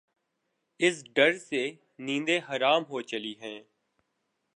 اس ڈر سے نیندیں حرام ہو چلی ہیں۔